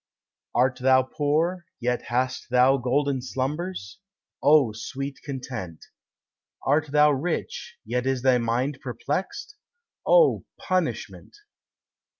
Art thou poor, yet hast thou golden slumbers? O sweet content! Art thou rich, yet is thy mind perplexed? O punishment!